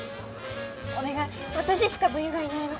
お願い私しか部員がいないの。